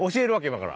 今から。